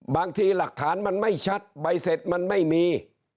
บางทีหลักฐานมันไม่ชัดใบเสร็จมันไม่มี